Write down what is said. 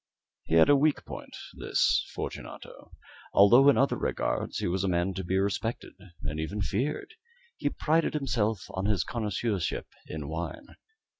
He had a weak point this Fortunato although in other regards he was a man to be respected and even feared. He prided himself on his connoisseurship in wine.